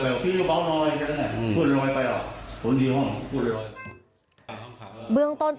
แล้วเพื่อนบ่าวเคยไปเตือนรึไง